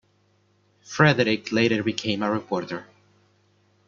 Frederic later became a reporter.